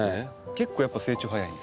結構やっぱ成長早いんですね。